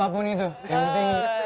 apapun itu yang penting